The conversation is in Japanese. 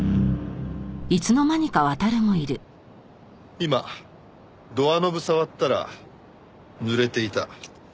今ドアノブ触ったらぬれていた。